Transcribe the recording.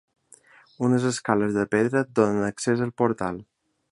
Unes escales de pedra donen accés al portal.